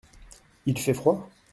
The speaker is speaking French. Il fait froid ?